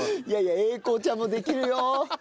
いやいや英孝ちゃんもできるよ。